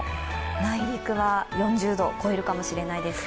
内陸は４０度超えるかもしれないです。